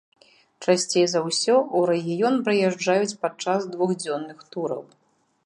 Часцей за ўсё ў рэгіён прыязджаюць падчас двухдзённых тураў.